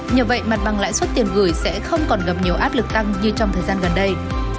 nhờ vậy mặt bằng lãi suất tiền gửi sẽ không còn gặp nhiều áp lực tăng như trong thời gian gần đây